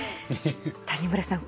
谷村さん